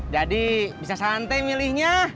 jadi bisa santai milihnya